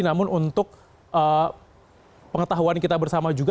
namun untuk pengetahuan kita bersama juga